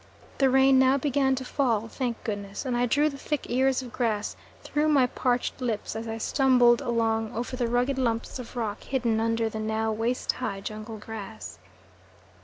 The rain now began to fall, thank goodness, and I drew the thick ears of grass through my parched lips as I stumbled along over the rugged lumps of rock hidden under the now waist high jungle grass.